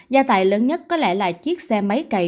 gia tài lớn nhất có lẽ là chiếc xe máy cày